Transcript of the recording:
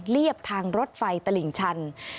เรียบทางรถไฟตลิ่งชัน